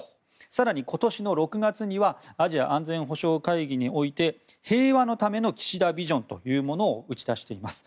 更に今年の６月にはアジア安全保障会議において平和のための岸田ビジョンというものを打ち出しています。